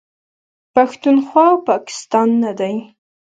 پښتونخوا، پاکستان نه دی.